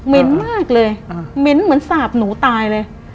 เหม็นมากเลยเหม็นเหมือนสาบหนูตายเลย